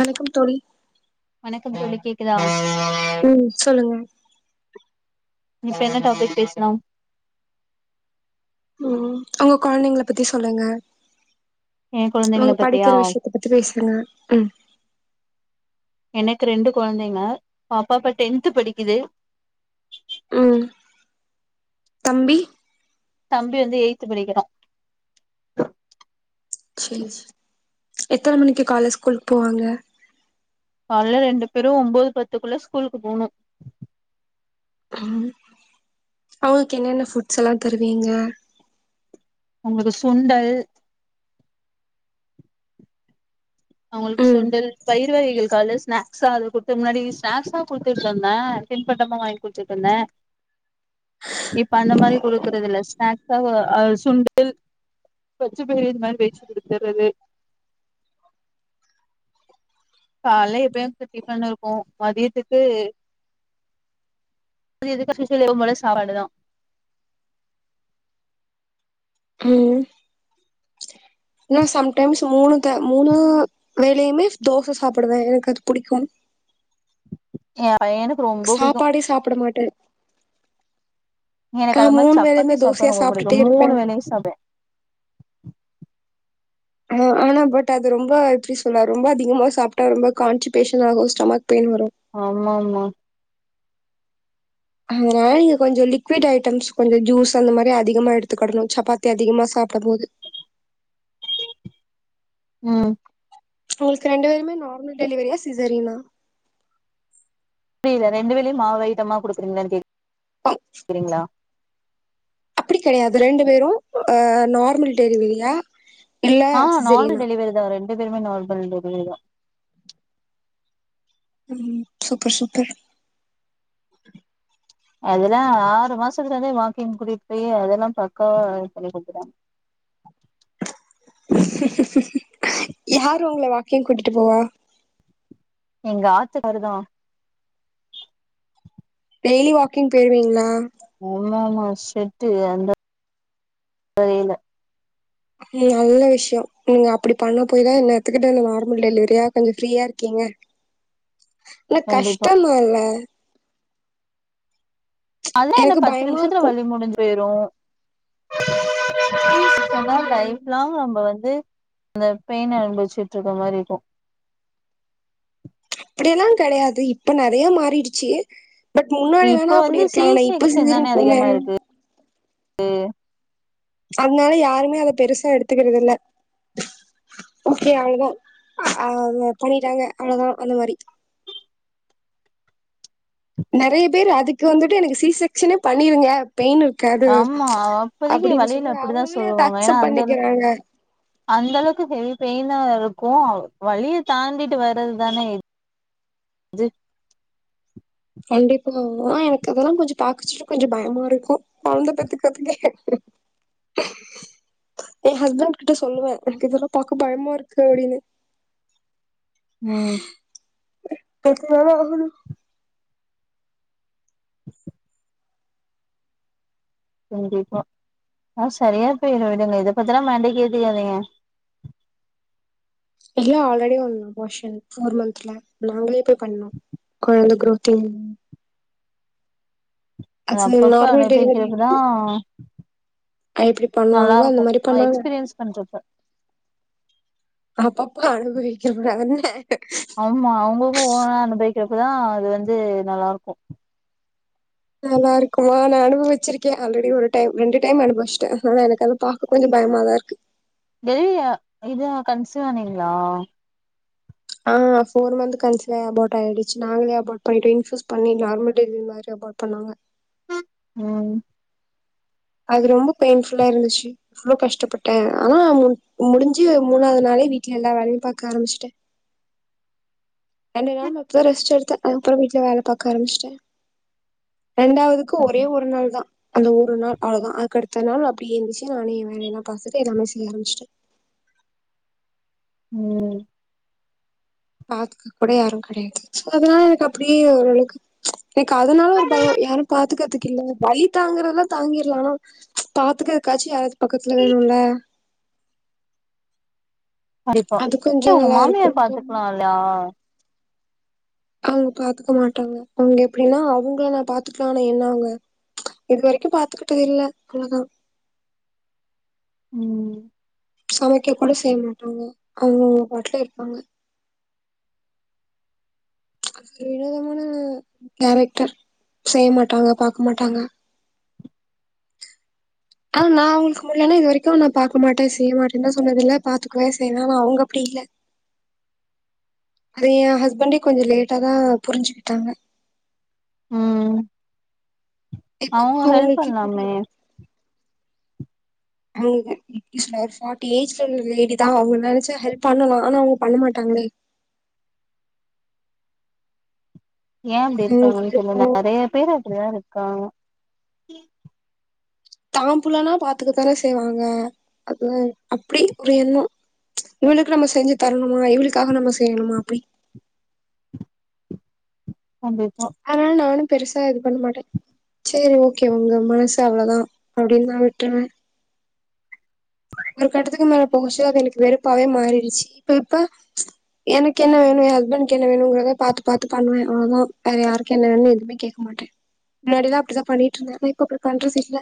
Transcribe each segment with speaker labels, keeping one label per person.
Speaker 1: வணக்கம் தோழி.
Speaker 2: வணக்கம் தோழி கேக்குதா?
Speaker 1: ம் சொல்லுங்க.
Speaker 2: இன்னக்கி என்ன டாபிக் பேசலா?
Speaker 1: ம் உங்க கொழந்தைங்கள பத்தி சொல்லுங்க.
Speaker 2: என் கொழந்தைங்கள
Speaker 1: அவுங்க
Speaker 2: பத்தியா
Speaker 1: படிக்கிற விஷயத்த பத்தி பேசுங்க ம்
Speaker 2: கு ரெண்டு கொழந்தைங்க பாப்பா இப்ப டென்த்து படிக்குது
Speaker 1: ம் தம்பி
Speaker 2: தம்பி வந்து எய்த்து படிக்கிறா.
Speaker 1: செரி செரி. எத்தன மணிக்கு கால்ல ஸ்கூலுக்கு போவாங்க?
Speaker 2: கால்ல ரெண்டு பேரு ஒம்போது பத்துக்குள்ள ஸ்கூலுக்கு போகணு
Speaker 1: ஆ அவங்களுக்கு என்னென்ன ஃபுட்ஸ் எல்லா தருவீங்க?
Speaker 2: அவுங்களுக்கு சுண்டல் அவங்களுக்கு
Speaker 1: ம்
Speaker 2: சுண்டல் பயிறு வகைகள் காலல ஸ்நா க்ஸ் அது குட்த்துறக்கு முன்னாடி ஸ்நாக்ஸாதா குடுத்துட்டு இருந்தே தின்பண்டமு வாங்கி குடுத்துட்டு இருந்தே இப்ப அந்த மாரி குடுக்குறது இல்ல ஸ்நாக்காக ஆ சுண்டல் பச்ச பயிறு இந்த மாரி வேவுச்சி குடுக்கறது கால்ல எப்பயு [inaudible] டிஃபன் இருக்கு மதியத்துக்கு மதியோ [inaudible] எப்பவும் போல சாப்பாடுதா.
Speaker 1: ம் நா சம்டைம்ஸ் மூணு க மூணு வேளையுமே தோச சாப்பிடுவே எனக்கு அது புடிக்கு
Speaker 2: ஆ
Speaker 1: சாப்பாடே சாப்பட மாட்டே ஆ
Speaker 2: எனக்கு அது மாரி
Speaker 1: மூணு வேலையுமே
Speaker 2: சப்பாத்தி சாப்ட்டா
Speaker 1: தோசையா
Speaker 2: ரொம்ப புடிக்கு.
Speaker 1: சாப்ட்டுட்டே இருப்பே
Speaker 2: மூணு வேளையு சாப்டுவே.
Speaker 1: ஆ ஆனா பட் அது ரொம்ப எப்டி சொல்ல ரொம்ப அதிகமா சாப்ட்டா ரொம்ப கான்சிபேஷன் ஆகு ஸ்டமக்
Speaker 2: ஆமா ஆமா
Speaker 1: அதனால நீங்க கொஞ்சோ லிக்விட் ஐட்டம்ஸ் கொஞ்சோ ஜூஸ் அந்த மாரி அதிகமா எடுத்துக்கடணோ சப்பாத்தி அதிகமா சாப்பிடும் போது
Speaker 2: உம்
Speaker 1: உங்களுக்கு ரெண்டு பேருமே நார்மல் டெலிவரியா சிசறியனா
Speaker 2: புரியல ரெண்டு வேலையும் மாவுஅயிட்டமா கொடுக்கிறிங்களா சரிங்களா [unintelligible]
Speaker 1: அப்படி கிடையாது ரெண்டு பேரும்ஹ நார்மல் டெலிவரியா இல்ல
Speaker 2: ஆஹ் நார்மல்
Speaker 1: சிசேரியனா
Speaker 2: டெலிவர்தான் ரே எ பெருமே நர்மல்டெலவரிதான்
Speaker 1: உம் சூப்பர் சூப்பர்
Speaker 2: அதெல்லா ஆறு மாசத்துலே வாக்கிங் கூட்டிட்டு போய் அதெல்லா பக்காவா பண்ணி கொடுத்துறாங்க
Speaker 1: [inaudible] யாரு உங்கள வாக்கிங் கூட்டிட்டு போவா
Speaker 2: எங்க ஆத்துக்காருதான்
Speaker 1: டெய்லி வாக்கிங் போயிருவீங்களா
Speaker 2: ஆமா ஆமா செட்டு அந்த தெரியில
Speaker 1: நல்ல விஷயம் நீங்க அப்படி பண்ண போயிதான் என்ன எத்துக்கிட்ட இந்த நார்மல் டெலிவரியா கொஞ்சோ ஃப்ரீயா இருக்கீங்க நன
Speaker 2: கண்டிப்பா
Speaker 1: கஷ்டமால [inaudible]
Speaker 2: அதான் என்ன
Speaker 1: எனக்கு
Speaker 2: பத்து
Speaker 1: பயமா
Speaker 2: நிமிஷத்துல
Speaker 1: இருக்கு
Speaker 2: வழி முடிஞ்சு பேயிரும் [inaudible] [inaudible]
Speaker 1: ம்
Speaker 2: லைஃப்லாங் நம்ம வந்து வந்து அந்த பெயின அனுபவிச்சுட்டு இருக்க மாரி இருக்கும்
Speaker 1: அப்டியெல்லாம் கெடையாது இப்ப நெறைய மாறிடுச்சு பட் முன்னாடி
Speaker 2: இப்போ
Speaker 1: வேணா அப்டி
Speaker 2: வந்து சி
Speaker 1: இருக்கலாம் நா இப்ப
Speaker 2: செக்ஷன் தானே
Speaker 1: சிசேரியன் பண்ணா
Speaker 2: அதிகமா இருக்கு [unintelligible]
Speaker 1: அதனால யாருமே அத பெருசா எடுத்துக்கிறது இல்ல ஓகே அவ்ளதான் ஆ பண்ணிட்டாங்க அவ்ளதான் அந்த மாரி நெறைய பேர் அதுக்கு வந்துட்டு எனக்கு சீ செக்ஷனே பண்ணிருங்க பெயின் இருக்காது
Speaker 2: ஆமா அப்போதக்கு
Speaker 1: அப்படின்னு
Speaker 2: வழியில
Speaker 1: சொல்லி
Speaker 2: அப்டித்தான்
Speaker 1: அவங்களே அத
Speaker 2: சொல்லுவாங்க ஏன்னா
Speaker 1: அக்செப்ட்
Speaker 2: அந்தளவு
Speaker 1: பண்ணிக்கிறாங்க
Speaker 2: அந்த அளவுக்கு ஹேல்த் பெயினா இருக்கும் வழிய தாண்டிட்டு வர்றதுதானே
Speaker 1: கண்டிப்பா எனக்கு இதெல்லாம் கொஞ்சம் பாக்கச்சுட்டு கொஞ்சம் பயமா இருக்கும் கொழந்த பெத்துக்கத்துக்க எ‌ ஏன் ஹஸ்பண்ட் கிட்ட சொல்லுவேன் எனக்கு இதெல்லாம் பாக்க பயமா இருக்கு அப்டின்னு
Speaker 2: ம்
Speaker 1: பெத்து தானே ஆகனும்
Speaker 2: கண்டிப்பா ஆ சரியா பேயிரும் விடுங்க இத பத்தன்னா மண்டைக்கு ஏத்துகாதேங்க
Speaker 1: இல்ல ஆல்ரெடி ஒரு அபாஷன் ஃபோர் மந்த்ல நாங்களே போய் பண்ணோம் கொழந்த குரோத் இல்ல
Speaker 2: அது அப்பப்ப
Speaker 1: நார்மல் டெலிவரி
Speaker 2: அனுபக்கிறப்பதான்
Speaker 1: எப்டி
Speaker 2: நல்லா
Speaker 1: பண்ணுவாங்களோ அந்த
Speaker 2: இருக்கும்
Speaker 1: மாரி பண்ணாங்க.
Speaker 2: எக்ஸ்பீரியன்ஸ் பண்றப்ப
Speaker 1: அப்பப்ப அனுபவிக்கிற கூடாதுதானே
Speaker 2: அமா அவுங்க அ அப்பதான் அது வந்து நல்லா இருக்கும்
Speaker 1: நல்லாருக்குமா நான் அனுபவச்சிருக்கேன் ஆல்ரெடி ஒரு டைம் ரெண்டு டைம் அனுப வச்சிட்டேன் ஆனா எனக்கு அத பாக்க கொஞ்சம் பயமாதான் இருக்கு
Speaker 2: டெலிவரி இத கன்சிவானிங்களா
Speaker 1: ஆ ஃபோர் மந்த் கன்ஸ்லே அபாட் ஆயிடுச்சு நாங்களே அபோட் பண்ணிம் இன்ஃசூஸ் பண்ணி நார்மல் டெலிவரி மாரி அபோட் பண்ணாங்க
Speaker 2: ம்
Speaker 1: அது ரொம்ப பெயின்ஃபுல்லா இருந்துச்சு அவ்ளோ கஷ்டப்பட்டே ஆனா முடுஞ்சு மூணாவ்து நாளே வீட்ல எல்லா வேலையு பாக்க ஆரமிச்ட்டே ரெண்டு நாள் மட்டு தா ரெஸ்ட் எடுத்தே அதப்றொ வீட்ல வேல பாக்க ஆரமிச்ட்டே ரெண்டாவதுக்கு ஒரே ஒரு நாள் தா அந்த ஒரு நாள் அவ்ளதா அதுக்கடுத்த நாள் அப்டியே எந்துச்சு நானே எ வேல எல்லா பாத்துட்டு எல்லாமே செய்ய ஆரமிச்ட்டே
Speaker 2: ம்
Speaker 1: பாத்துக்க கூட யாரு கடயாது சோ அதுனால எனக்கு அப்டியே ஓரளவுக்கு எனக்கு அதுனால ஒரு பயொ யாரு பாத்துக்கற்து இல்ல வலி தாங்குறதுலா தாங்கிர்லா ஆனா பாத்துக்குறக்காச்சி யாரா பக்கத்ல வேணுல்ல
Speaker 2: கண்டிப்பா
Speaker 1: அது
Speaker 2: ஏ
Speaker 1: கொஞ்சோ
Speaker 2: உங்க
Speaker 1: நல்லா இருக்கு
Speaker 2: மாமியார் பாத்துக்லால்லயா
Speaker 1: அவுங்க பாத்துக்க மாட்டாங்க அவுங்க எப்டின்னா அவுங்கள நா பாத்துக்லா ஆனா என்ன அவுங்க இது வரைக்கு பாத்துக்கிட்டதில்ல அவ்ளதா
Speaker 2: ம்
Speaker 1: சமைக்க கூட செய்ய மாட்டாங்க அவுங்கவுங்க பாட்ல இருப்பாங்க வினோதமான கேரக்டர் செய்ய மாட்டாங்க பாக்க மாட்டாங்க ஆனா நா அவுங்களுக்கு முல்லன்னா இது வரைக்கு நா பாக்க மாட்டே செய்ய மாட்டேன்லா சொன்னதில்ல பாத்துக்குவே செய்வே ஆனா அவுங்க அப்டி இல்ல அது ஏ ஹஸ்பண்டே கொஞ்ச லேட்டாதா புருஞ்சுகிட்டாங்க
Speaker 2: ம்
Speaker 1: இப்ப
Speaker 2: அவுங்க ஹெல்ப்
Speaker 1: அவங்களுக்கே
Speaker 2: பண்லாமே
Speaker 1: புரியுது [unintelligible] ஃபாட்டி ஏஜ்ல உள்ள லேடிதா அவுங்க நெனச்சா ஹெல்ப் பண்ணலா ஆனா அவுங்க பண்ண மாட்டாங்ளே
Speaker 2: ஏ அப்டி
Speaker 1: அவங்களுக்கு
Speaker 2: இருக்காங்கனு தெர்ல
Speaker 1: விருப்போ
Speaker 2: நறைய பேரு அப்டிதா இருக்காங்க கி
Speaker 1: தாம் புள்ளனா பாத்துக்கத்தான செய்வாங்க அது அப்டி ஒரு எண்ணொ இவளுக்கு நம்ம செஞ்சு தரணுமா இவளுக்காக நம்ம செய்னுமா அப்டி
Speaker 2: கண்டிப்பா
Speaker 1: அதனால நானு பெருசா இது பண்ண மாட்டெ சேரி ஓகே உங்க மனசு அவ்ளதா அப்டின் நா விட்ருவே ஒரு கட்டத்துக்கு மேல போகுச்சு அது எனக்கு வெறுப்பாவே மாறிடுச்சு இப்ப இப்ப எனக்கு என்ன வேணு எ ஹஸ்பண்ட்க்கு என்ன வேணுங்கிறத பாத்து பாத்து பண்ணுவே அவ்ளதா வேற யாருக்கு என்ன வேணுனு எதுமே கேக்கமாட்டெ முன்னாடில்லா அப்டிதா பண்ணிட்ருந்தே ஆனா இப்ப அப்டி பண்றதில்ல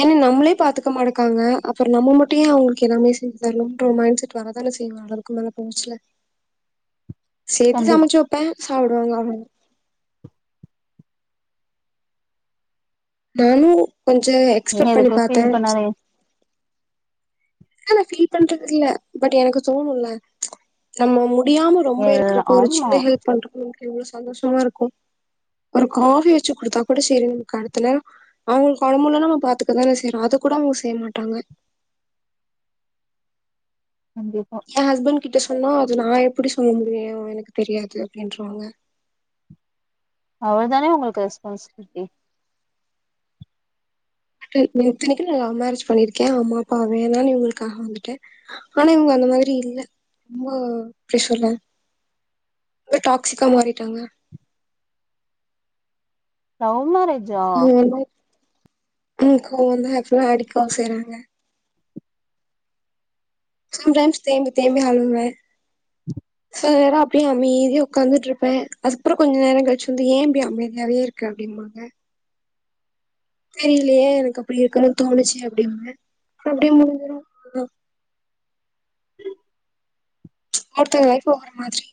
Speaker 1: ஏன்ன நம்மளே பாத்து க்க மாடக்காங்க அப்பற நம்ம மட்டு ஏ அவுங்கள்க்கு எல்லாமே செஞ்சு தர்ணுன்ற ஒ மைண்ட் செட் வரதான செய்யு அவருக்கு [unintelligible] சேத்து
Speaker 2: கண்டிப்பா
Speaker 1: சமச்சு வப்பே சாப்டுவாங்க அவ்ளதா நானு கொஞ்ச
Speaker 2: நீங்க
Speaker 1: எக்ஸ்பெட் பண்ணி
Speaker 2: எதுக்கு
Speaker 1: பாத்தெ
Speaker 2: ஃபீல் பண்ணாதீங்க
Speaker 1: நாலா ஃபீல் பண்றதில்ல பட் எனக்கு தோணுல்ல நம்ம மு முடியாம ரொம்ப
Speaker 2: எல்லா
Speaker 1: இருக்குறப்ப ஒரு
Speaker 2: ஆமா
Speaker 1: சின்ன ஹெல்ப் பண்றப்ப எவ்ளோ சந்தோஷமா இருக்கு ஒரு காஃபி வச்சு குடுத்தா கூட சேரின் கடத்தல அவுங்களுக்கு ஒடம் முல்லனா நம்ம பாத்துக்க தான செய்றோ அத கூட அவுங்க செய்ய மாட்றாங்க
Speaker 2: கண்டிப்பா
Speaker 1: எ ஹஸ்பண்ட் கிட்ட சொன்னா அது நா எப்பிடி சொல்ல முடியு எ‌ வ எனக்கு தெரியாது அப்டின்ருவாங்க
Speaker 2: அவர்தானெ உங்களுக்கு ரெஸ்பான்சிபிலிட்டி
Speaker 1: இத்தனைக்கு நா லவ் மேரேஜ் பண்ணிருக்கே அம்மா அப்பா வேணானு இவுங்களுக்காக வந்துட்டே ஆனா இவுங்க அந்த மாதிரி இல்ல அம்மா பிரஷர்ல ஒரு டாக்சிக்கா மாறிட்டாங்க
Speaker 2: லவ் மேரேஜ்
Speaker 1: ஆஹ [unintelligible] கிளிக் கோவம்வந்தா ஆக்சுலா அடிக்க செய்றாங்க சம்டம்ஸ் தேம்பி தேம்பி அழுவுவேன் சில நேரம் அப்படியே அமைதிய உட்காந்துட்டு இருப்பேன் அதுக்கப்புறம் கொஞ்சம் நேரம் கழிச்சு வந்து ஏன்இப்படி அமைதியாவே இருக்கு அப்படிம்பாங்க தெரியலையே எனக்கு அப்படி இருக்கன்னு தோணுச்சி அப்படின்ப அப்டியே முடிஞ்சரும் ஒருத்தங்க லைஃப் ஒவ்வொரு மாதிரி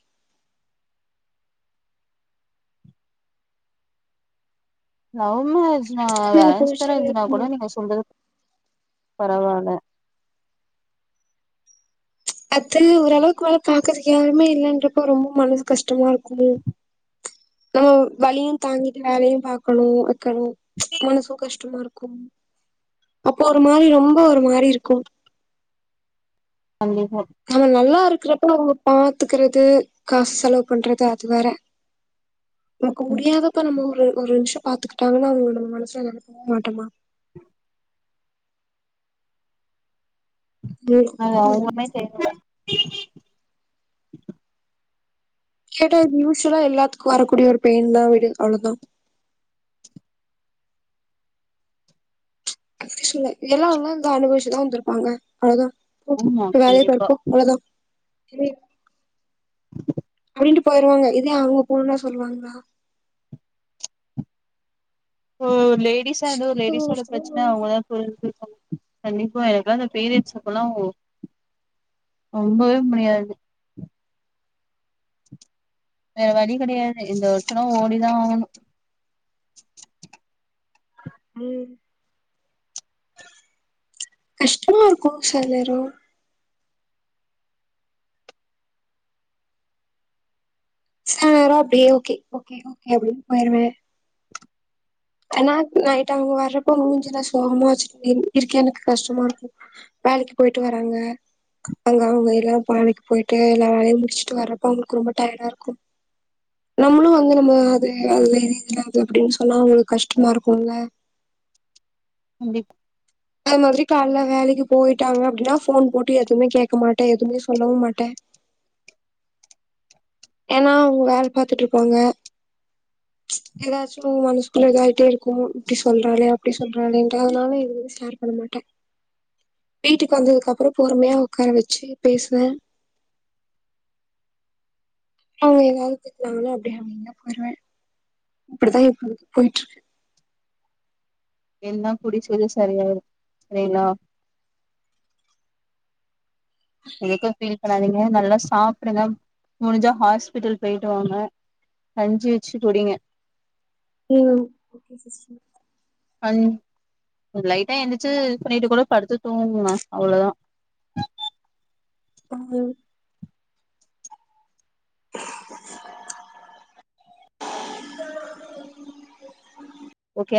Speaker 2: லவ் [unintelligible] ஆம்மாஜனா
Speaker 1: எடுத்துக்க
Speaker 2: வேற
Speaker 1: மேல
Speaker 2: இ
Speaker 1: போச்சு
Speaker 2: பேறஜனா கூட நீங்க சொல்றது [unintelligible] பரவால
Speaker 1: அத்த ஓரளவுக்கு வேலை பாக்கறதுக்கு யாருமே இல்லன்றப்போ ரொம்ப மனசு கஷ்டமா இருக்குமமோ நஹ வலியும் தாங்கிட்டு வேலையும் பாக்கணும் வைக்கணும் மனசும் கஷ்டமா இருக்கும் அப்போ ஒரு மாரி ரொம்ப ஒரு மாரி இருக்கும்
Speaker 2: கண்டிப்பா
Speaker 1: நம்ம நல்லா இருக்குறப் கூட இருக்குறவங்கள பாத்துக்கறது காசு செலவு பண்றது அது வேற நமக்கு
Speaker 2: ம்,
Speaker 1: முடியாதப்ப நம்ம ஒரு ஒரு நிமிஷம் பார்த்துக்கிட்டாங்கன்னா அவுங்களுடைய மனச இழக்கவே மாட்டமா
Speaker 2: [inaudible]
Speaker 1: அவங்களுக்கு
Speaker 2: ஆஹ
Speaker 1: புரிய
Speaker 2: உ மா
Speaker 1: மாட்டேங்குது
Speaker 2: [inaudible] [inaudible]
Speaker 1: கேட்டா யூசுல்லா எல்லாத்துக்கும் வரக்கூடிய ஒரு பெயின் தா விடு அவ்வளதா அப்ப சொல்ல எல்லாம் க அபழச்சிதான் வந்திருப்பாங்க அவ்வளவுதான்
Speaker 2: ஆமா
Speaker 1: ப்போலாரையும்
Speaker 2: கண்டிப்பா
Speaker 1: தடுப்போ அவளதான் உ [unintelligible] ட் போயிருவாங்க இதே அவங்க போணும்ன்னா சொல்லுவாங்களா
Speaker 2: ஓஓ ம் [unintelligible] லேடிஸ்இருந்த லேடிஸோட பிரச்சனை அவங்களதான் சரிஞ்சங்க கண்டிப்பா எனக்கு ல அந்த ப்ரியட்ஸ் அப்பல்லாம் ரொம்பவே முடியாது வேற வழி கிடையாது இந்த வருஷல ஓடிதான் ஆவணும்
Speaker 1: ம் கஷ்டமா இருக்கும் சிலநேரம் சார அப்படியே ஓகே ஓகே ஓகே அப்டின்னு போயிருவேன் ஏனா நைட் அவங்க வர்றப்ப மூஞ்சில சோகமா வச்சு இருக்கே எனக்கு கஷ்டமா இருக்கும் வேலைக்கு போயிட்டு வராங்க அங்க அவங்க எல்லாம் வேலைக்கு போயிட்டு எல்லாம் வேலையையும் முடிச்சுட்டு வர்றப்ப அவங்களுக்கு ரொம்ப டயர்ட இருக்கும் நம்மளும் வந்து நம்ம அது அது இதுலது அப்படின்னு சொன்னா அவங்களுக் கஷ்டமா இருக்கும்ள
Speaker 2: கண்டிப்
Speaker 1: அத மாதரி காலைல வேலைக்கு போயிட்டாங்க ந அப்படின்னா போன் போட்டு எதுவுமே கேக்க மாட்டேன் எதுவுமே சொல்லவும் மாட்டே ஏனா அவங்க வேல பாத்துட்டு இருப்பாங்க ஏதாச்சும் மனசுக்குள்ள தாயிட்டே இருக்கும் இப்படி சொல்றாலே அப்படி சொல்றாலே அதனால எதுவும் ஷேர் பண்ண மாட்டேன் வீட்டுக்கு வந்ததுக்கு அப்புறம் பொறுமையா உக்கார வச்சு பேசுவேன் அவங்க ஏதாவது திட்ங்கன்னா அப்படியே அமைதியா போயிருவேன் அப்டித்தான் ப்ப போயிட் இருக்கு
Speaker 2: என்ன குடிச்சது சரியா சரிலா [unintelligible] [unintelligible] டாதீங்க நல்லா சாப்பிடுங்க முடிஞ்சா ஹாஸ்பிட்டல் போயிட்டுவாங்க கஞ்சி வச்சு குடிங்க
Speaker 1: ம்
Speaker 2: அ லைட்டா எந்திச்சு இது பண்ணிட்டு கூட படுத்து தூங்கனா அவ்ளோதான்
Speaker 1: அது [inaudible]
Speaker 2: ஓகே